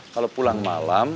kalau pulang malam